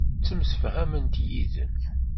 Ttemsefhament yid-m.